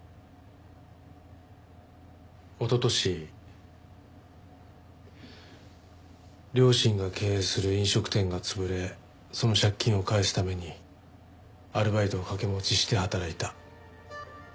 おととし両親が経営する飲食店が潰れその借金を返すためにアルバイトを掛け持ちして働いた。